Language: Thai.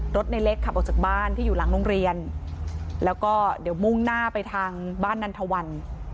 รถในเล็กขับออกจากบ้านที่อยู่หลังโรงเรียนแล้วก็เดี๋ยวมุ่งหน้าไปทางบ้านนันทวัน